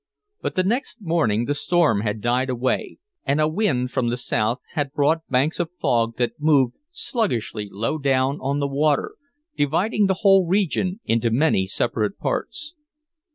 But the next morning the storm had died away, and a wind from the south had brought banks of fog that moved sluggishly low down on the water dividing the whole region into many separate parts.